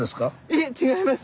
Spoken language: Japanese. いえ違います